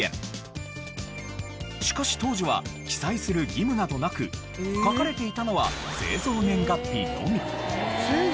しかし当時は記載する義務などなく書かれていたのは製造年月日のみ。